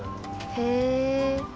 へえ！